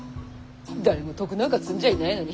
誰も徳なんか積んじゃいないのに。